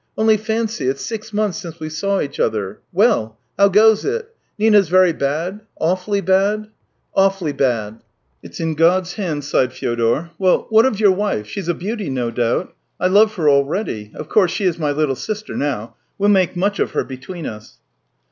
Only fancy, it's six months since we saw each other. Well ? How goes it ? Nina's veny bad ? Awfully bad ?"" Awfully bad." " It's in God's hands." sighed Fyodor. " Well, what of your wife ? She's a beauty, no doubt ? 1 love her already. Of course, she is my Httle sister now. W'e'U make much of her between us."